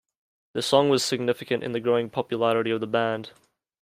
The song was significant in the growing popularity of the band.